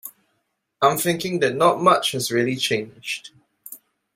I'm thinking that not much has really changed.